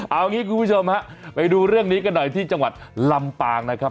เอางี้คุณผู้ชมฮะไปดูเรื่องนี้กันหน่อยที่จังหวัดลำปางนะครับ